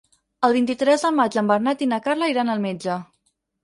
El vint-i-tres de maig en Bernat i na Carla iran al metge.